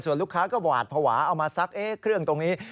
ลูกค้าก็หวาดภาวะเอามาซักเครื่องตรงนี้